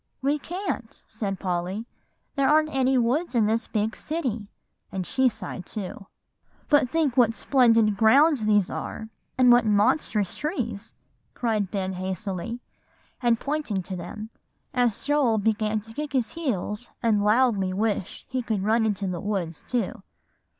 "We can't," said Polly; "there aren't any woods in this big city;" and she sighed too. "But think what splendid grounds these are, and what monstrous trees," cried Ben hastily, and pointing to them, as Joel began to kick his heels and loudly wish he could run into the woods too.